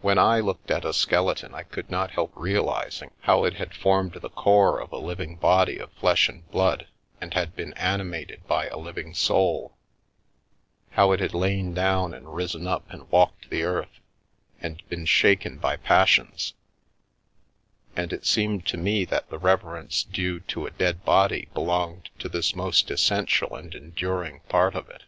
When I looked at a skeleton I could not help realising how it had formed the core of a living body of flesh and blood and had been animated by a living soul ; how it had lain down and risen up and walked the earth and been shaken by passions ; and it seemed to me that the reverence due to a dead body belonged to this most essential and en during part of it.